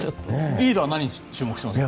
リーダーは何に注目していますか？